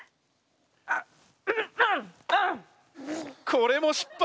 これも失敗。